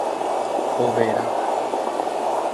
Overa